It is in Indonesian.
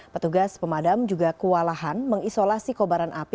petugas pemadam juga kewalahan mengisolasi kobaran api